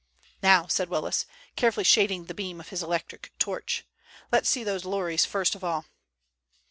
"Now," said Willis, carefully shading the beam of his electric torch, "let's see those lorries first of all."